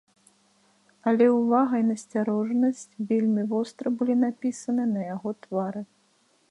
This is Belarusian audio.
Але ўвага і насцярожанасць вельмі востра былі напісаны на яго твары.